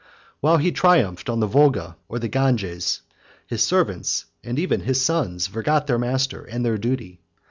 While he triumphed on the Volga or the Ganges, his servants, and even his sons, forgot their master and their duty.